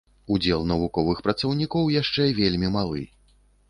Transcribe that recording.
Удзел навуковых працаўнікоў яшчэ вельмі малы.